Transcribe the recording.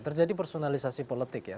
terjadi personalisasi politik ya